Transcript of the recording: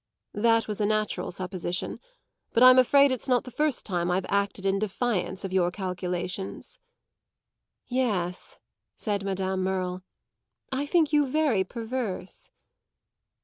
"That was a natural supposition; but I'm afraid it's not the first time I've acted in defiance of your calculations." "Yes," said Madame Merle, "I think you very perverse."